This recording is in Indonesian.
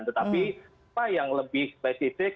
tetapi apa yang lebih spesifik